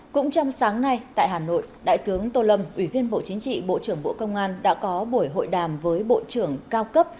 cũng trong sáng nay tại hà nội đại tướng tô lâm ủy viên bộ chính trị bộ trưởng bộ công an đã có buổi hội đàm với bộ trưởng cao cấp